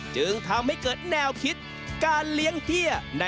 จึงทำให้เกิดแนวคิดการเลี้ยงเฮีย